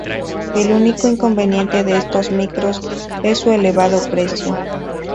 El único inconveniente de estos micros es su elevado precio.